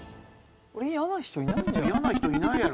嫌な人いないやろ。